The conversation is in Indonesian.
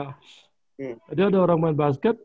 ada orang main basket